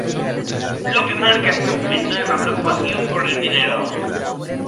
Lo que marca este momento es la preocupación por el dinero.